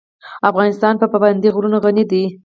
افغانستان په پابندی غرونه غني دی.